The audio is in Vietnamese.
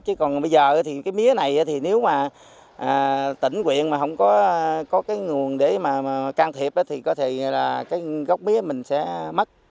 chứ còn bây giờ thì cái mía này thì nếu mà tỉnh quyện mà không có cái nguồn để mà can thiệp thì có thể là cái gốc mía mình sẽ mất